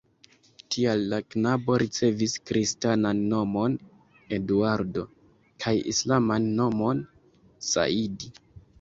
Tial la knabo ricevis kristanan nomon (Eduardo) kaj islaman nomon (Saidi).